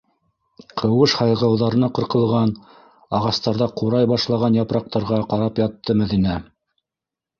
Ҡыуыш һайғауҙарына ҡырҡылған ағастарҙа ҡурай башлаған япраҡтарға ҡарап ятты Мәҙинә.